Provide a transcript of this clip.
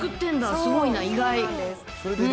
すごいな、意外。